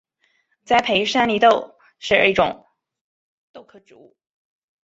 栽培山黧豆是一种豆科植物。